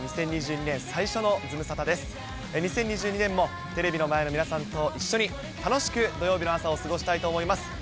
２０２２年もテレビの前の皆さんと一緒に、楽しく土曜日の朝を過ごしたいと思います。